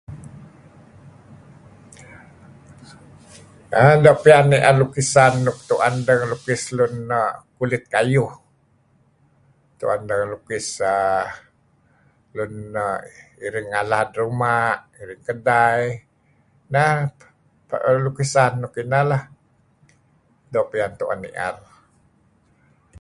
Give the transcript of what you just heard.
Err... doo' pian ni'er lukisan nuk tu'en deh ngelukis luun na' kulit kayuh. Tu'en deh ngelukis err... luun alad ruma', lem kedai... Neh lukisan nuk ineh leh. Doo' pian tu'en ni'er.